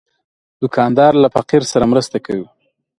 دوکاندار له فقیر سره مرسته کوي.